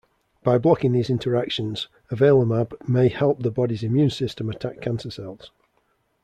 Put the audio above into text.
By blocking these interactions, avelumab may help the body's immune system attack cancer cells.